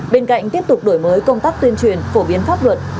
bên cạnh tiếp tục đổi mới công tác tuyên truyền phổ biến pháp luật